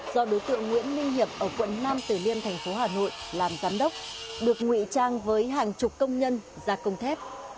do đối tượng nguyễn ninh hiệp ở quận năm tử liên thành phố hà nội làm giám đốc được ngụy trang với hàng chục công nhân ra công thép